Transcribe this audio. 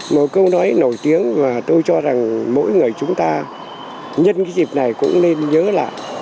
một câu nói nổi tiếng mà tôi cho rằng mỗi người chúng ta nhân cái dịp này cũng nên nhớ lại